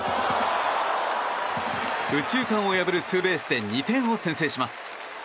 右中間を破るツーベースで２点を先制します。